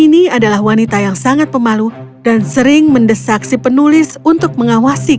ini adalah wanita yang sangat pemalu dan sering mendesak si penulis untuk mengawasi